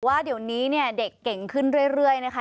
ว่าเดี๋ยวนี้เนี่ยเด็กเก่งขึ้นเรื่อยนะคะ